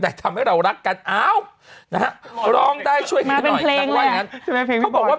แต่ทำให้เรารักกันอ้าวนะฮะร้องได้ช่วยมาเป็นเพลงแหละเขาบอกว่า